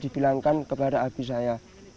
dia dibilangkan kepada abis saya